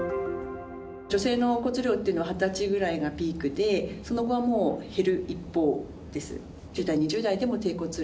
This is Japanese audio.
女性の骨量というのは２０歳ぐらいがピークで、その後はもう減る一方です。